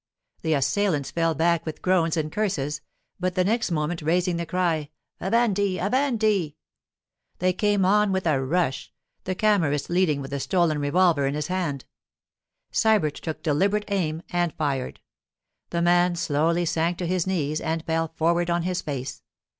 The assailants fell back with groans and curses, but the next moment, raising the cry, 'Avanti! Avanti!' they came on with a rush, the Camorrist leading with the stolen revolver in his hand. Sybert took deliberate aim and fired. The man slowly sank to his knees and fell forward on his face.